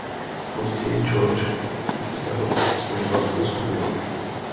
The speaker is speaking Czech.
Později George si sestavil svoji vlastní skupinu.